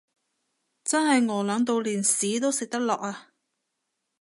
真係餓 𨶙 到連屎都食得落呀